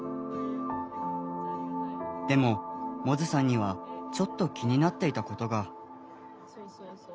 でも百舌さんにはちょっと気になっていたことが。